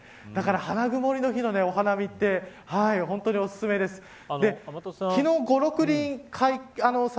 だから、花曇りの日のお花見って本当におすすめです。